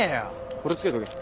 これつけとけ。